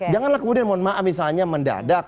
janganlah kemudian mohon maaf misalnya mendadak